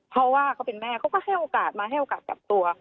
เพราะว่าเขาเป็นแม่เขาก็ให้โอกาสมาให้โอกาสกับตัว